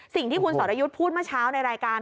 สิ่งที่คุณสรยุทธ์พูดเมื่อเช้าในรายการ